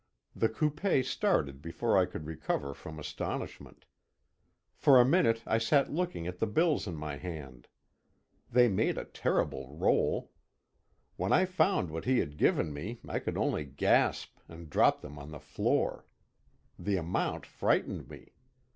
The coupé started before I could recover from astonishment. For a minute I sat looking at the bills in my hand. They made a terrible roll. When I found what he had given me I could only gasp and drop them on the floor. The amount frightened me.